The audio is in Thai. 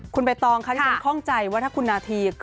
คุณไปตองคะที่ผมข้องใจว่าถ้าคุณนาธี